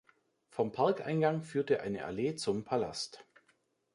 Vom Parkeingang führte eine Allee zum Palast.